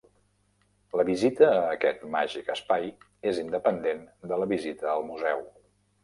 La visita a aquest màgic espai és independent de la visita al museu.